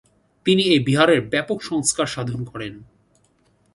তিনি এই বিহারের ব্যাপক সংস্কার সাধন করেন।